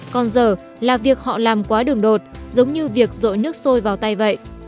còn giờ là việc họ làm quá đường đột giống như việc rội nước sôi vào tay vậy